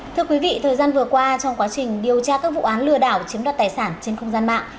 thưa quý vị thời gian vừa qua trong quá trình điều tra các vụ án lừa đảo chiếm đoạt tài sản trên không gian mạng